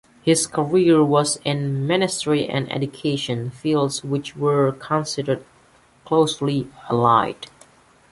His career was in ministry and education, fields which were considered closely allied.